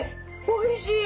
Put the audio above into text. おいしい！